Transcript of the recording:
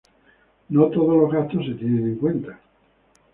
No todos los gastos se tienen en cuenta.